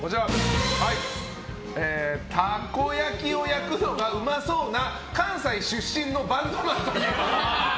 たこ焼きを焼くのが上手そうな関西出身のバンドマンといえば？